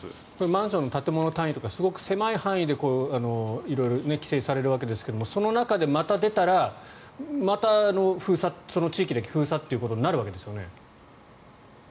マンションの建物単位とかすごく狭い範囲で色々、規制されるわけですがその中でまた出たらまた封鎖、その地域だけ封鎖ということになるわけですよね。